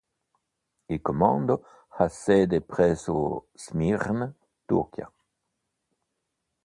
Il comando ha sede presso Smirne, Turchia.